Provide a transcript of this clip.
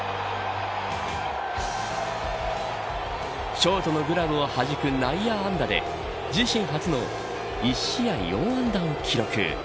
ショートのグラブをはじく内野安打で自身初の１試合４安打を記録。